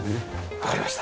わかりました。